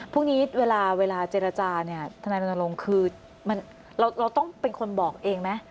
พรุ่งนี้เวลาเจรจาเนี่ยทนายรณรงค์คือเราต้องเป็นคนบอกเองไหม